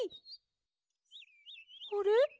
あれ？